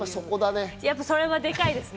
やっぱりそれはでかいですね。